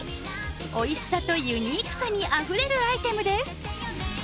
おいしさとユニークさにあふれるアイテムです。